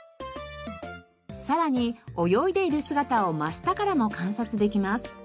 さらに泳いでいる姿を真下からも観察できます。